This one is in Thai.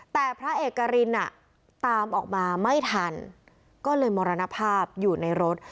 แต่พระเอกรินตามออกมาไม่ทันก็เลยมรณภาพอยู่ในรถ